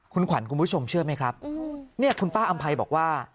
คุณขวัญคุณผู้ชมเชื่อไหมครับเนี่ยคุณป้าอำภัยบอกว่า